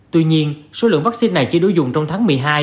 tuy nhiên số lượng vaccine này chỉ đối dụng trong tháng một mươi hai